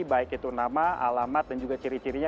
baik itu nama alamat dan juga ciri cirinya